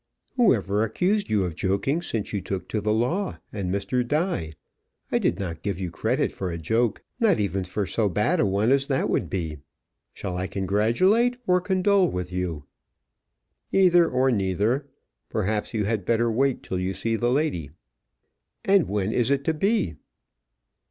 "Who ever accused you of joking since you took to the law and Mr. Die? I did not give you credit for a joke; not even for so bad a one as that would be. Shall I congratulate or condole with you?" "Either or neither. Perhaps you had better wait till you see the lady." "And when is it to be?"